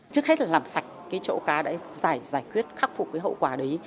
trước hết là làm sạch cái chỗ cá đã giải quyết khắc phục cái hậu quả đấy